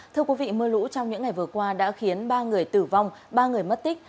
thưa quý vị mưa lũ trong những ngày vừa qua đã khiến ba người tử vong ba người mất tích